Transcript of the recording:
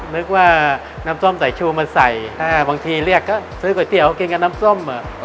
นึกว่าน้ำส้มสายชูมาใส่บางทีเรียกก็ซื้อก๋วยเตี๋ยวกินกับน้ำส้ม